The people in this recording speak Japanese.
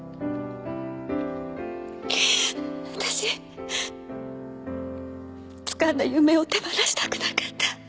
私つかんだ夢を手放したくなかった。